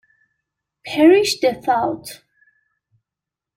Perish the thought.